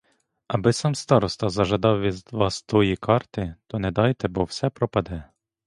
Аби сам староста зажадав від вас тої карти, то не дайте, бо все пропаде.